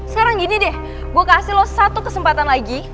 sekarang gini deh gue kasih loh satu kesempatan lagi